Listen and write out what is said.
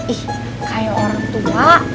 ih kayak orang tua